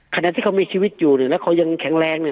ขณะที่เขามีชีวิตอยู่เนี่ยแล้วเขายังแข็งแรงเนี่ย